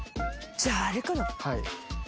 じゃああれかな。